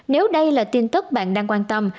nếu đây là tin tức bạn đang quan tâm